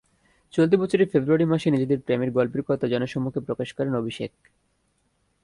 চলতি বছরের ফেব্রুয়ারি মাসে নিজেদের প্রেমের গল্পের কথা জনসমক্ষে প্রকাশ করেন অভিষেক।